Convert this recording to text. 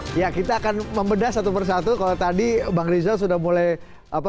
hai ya kita akan membedah satu persatu kalau tadi bang rizal sudah mulai apa